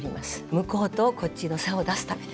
向こうとこっちの差を出すためです。